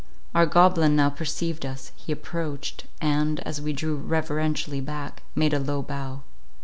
Our goblin now perceived us; he approached, and, as we drew reverentially back, made a low bow.